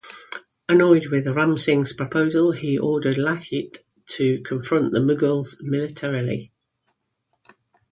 Annoyed with Ram Singh's proposal he ordered Lachit to confront the Mughals militarily.